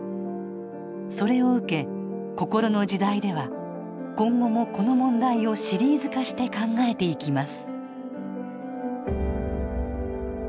それを受け「こころの時代」では今後もこの問題をシリーズ化して考えていきます